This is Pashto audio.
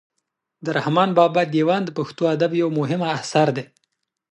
د رحمان بابا دېوان د پښتو ادب یو مهم اثر دی.